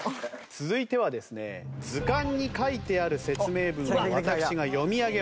続いてはですね図鑑に書いてある説明文を私が読み上げます。